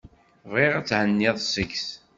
Bɣiɣ ad henniɣ seg-s.